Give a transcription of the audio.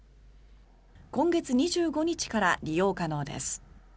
今月２５日から利用可能です。